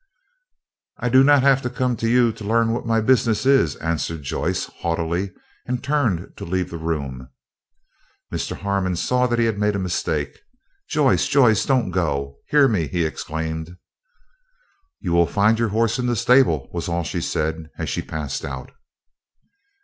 "I do not have to come to you to learn what my business is," answered Joyce, haughtily, and turned to leave the room. Mr. Harmon saw that he had made a mistake. "Joyce! Joyce! don't go, hear me," he exclaimed. "You will find your horse in the stable," was all she said, as she passed out.